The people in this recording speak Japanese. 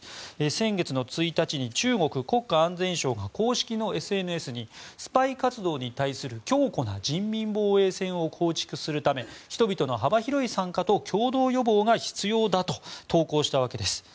先月１日に中国国家安全省が公式のＳＮＳにスパイ活動に対する強固な人民防衛線を構築するため人々の幅広い参加と共同予防が必要だと投稿したわけです。